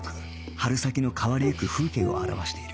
春先の変わりゆく風景を表している